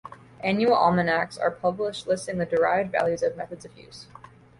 Annual almanacs are published listing the derived values and methods of use.